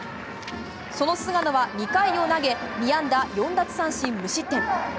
その菅野は２回を投げ２安打４奪三振、無失点。